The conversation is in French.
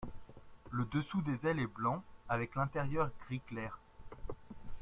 Le dessous des ailes est blanc, avec l'intérieur gris clair.